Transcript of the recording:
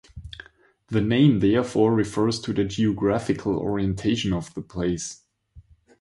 The name therefore refers to the geographical orientation of the place.